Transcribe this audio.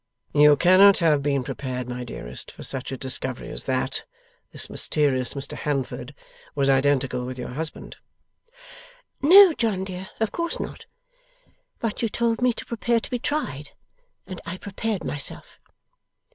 'You cannot have been prepared, my dearest, for such a discovery as that this mysterious Mr Handford was identical with your husband?' 'No, John dear, of course not. But you told me to prepare to be tried, and I prepared myself.